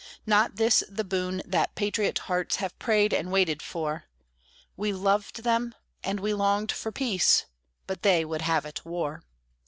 Not this the boon that patriot hearts have prayed and waited for; We loved them, and we longed for peace: but they would have it war.